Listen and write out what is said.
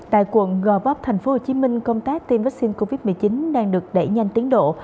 tại quận gò vấp tp hcm công tác tiêm vaccine covid một mươi chín đang được đẩy nhanh tiến độ